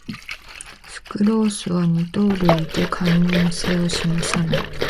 スクロースは二糖類で還元性を示さない